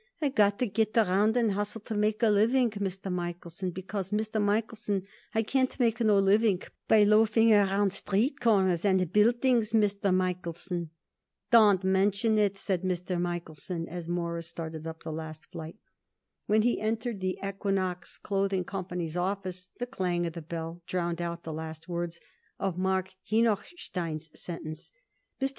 "I got to get around and hustle to make a living, Mr. Michaelson, because, Mr. Michaelson, I can't make no living by loafing around street corners and buildings, Mr. Michaelson." "Don't mention it," said Mr. Michaelson as Morris started up the last flight. When he entered the Equinox Clothing Company's office the clang of the bell drowned out the last words of Marks Henochstein's sentence. Mr.